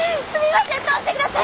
通してください。